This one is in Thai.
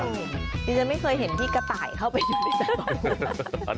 ดิฉันไม่เคยเห็นพี่กระต่ายเข้าไปอยู่ในสตอง